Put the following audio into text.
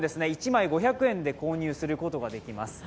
１枚５００円で購入することができます。